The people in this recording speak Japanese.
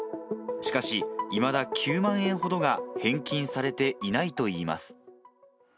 しかし、いまだ９万円ほどが返金されていないといいます。